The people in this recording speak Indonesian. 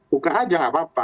buka aja nggak apa apa